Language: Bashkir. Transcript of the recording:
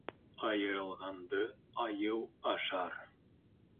Айырылғанды айыу ашар